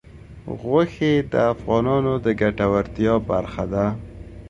غوښې د افغانانو د ګټورتیا برخه ده.